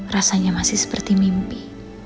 rasanya masih seperti mimpi